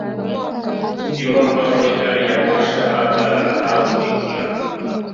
Ndimo mva muri gari ya moshi ahagarara ahakurikira.